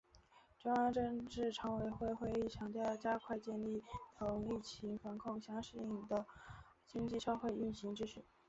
中央政治局常委会会议强调要加快建立同疫情防控相适应的经济社会运行秩序